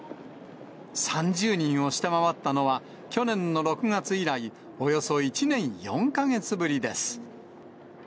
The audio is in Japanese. ３０人を下回ったのは、去年の６月以来、およそ１年４か月ぶりです。